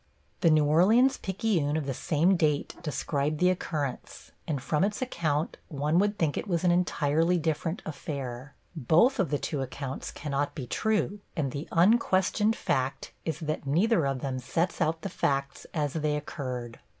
The New Orleans Picayune of the same date described the occurrence, and from its account one would think it was an entirely different affair. Both of the two accounts cannot be true, and the unquestioned fact is that neither of them sets out the facts as they occurred.